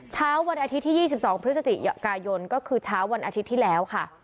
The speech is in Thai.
เช้าวันอาทิตย์ที่๒๒พฤศจิกายนก็คือเช้าวันอาทิตย์ที่แล้วค่ะ